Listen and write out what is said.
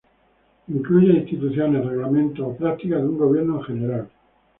Incluye a instituciones, reglamentos o prácticas de un gobierno en general.